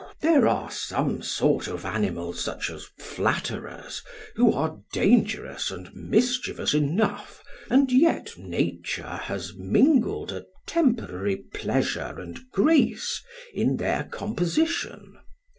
There are some sort of animals, such as flatterers, who are dangerous and mischievous enough, and yet nature has mingled a temporary pleasure and grace in their composition.